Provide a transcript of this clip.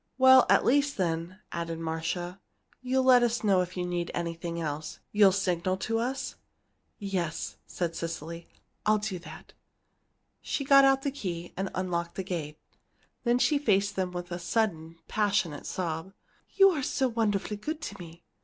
"At least, then," added Marcia, "you'll let us know if you need anything else you'll signal to us?" "Yes," said Cecily, "I'll do that." She got out the key, and unlocked the gate. Then she faced them with a sudden, passionate sob. "You are so wonderfully good to me!